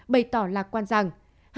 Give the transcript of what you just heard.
bày tỏ lạc quan rằng